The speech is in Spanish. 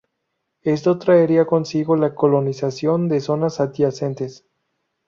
Esto traería consigo la colonización de zonas adyacentes.